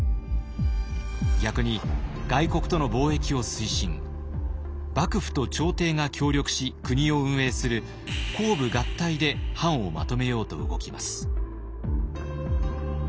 逆に外国との貿易を推進幕府と朝廷が協力し国を運営する公武合体で藩をまとめようと動きます。